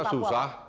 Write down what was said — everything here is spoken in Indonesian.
kamu sudah susah